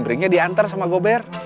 kicimpringnya diantar sama gober